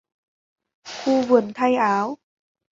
Khu vườn thay áo